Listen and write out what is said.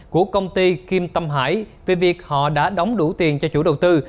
của công ty kim tâm hải về việc họ đã đóng đủ tiền cho chủ đầu tư